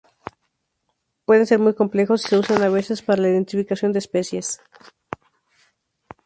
Pueden ser muy complejos y se usan a veces para la identificación de especies.